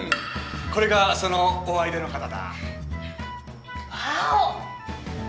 これがそのお相手のわお！